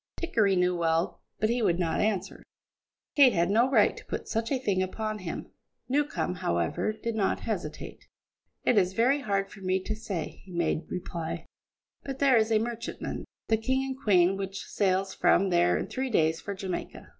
Dickory knew well, but he would not answer; Kate had no right to put such a thing upon him. Newcombe, however, did not hesitate. "It is very hard for me to say," he made reply, "but there is a merchantman, the King and Queen, which sails from here in three days for Jamaica.